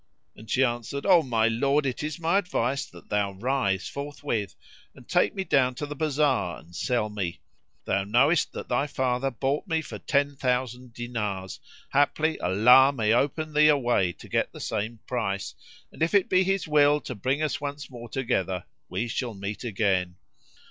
and she answered, "O my lord, it is my advice that thou rise forthwith and take me down to the bazar and sell me. Thou knowest that they father bought me for ten thousand dinars: haply Allah may open thee a way to get the same price, and if it be His will to bring us once more together, we shall meet again."